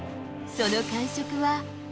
その感触は。